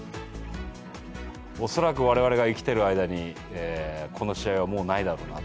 恐らく、われわれが生きている間に、この試合はもうないだろうなと。